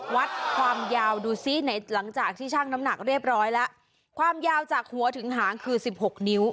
วัดความยาวดูซิไหนหลังจากที่ช่างน้ำหนักเรียบร้อยแล้วความยาวจากหัวถึงหางคือสิบหกนิ้ว